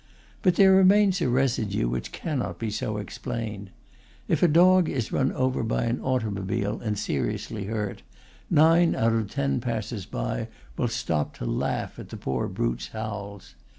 But there remains a residue which cannot be so explained. If a dog is run over by an automobile and seriously hurt, nine out of ten passers by will stop to laugh at the poor brute's howls.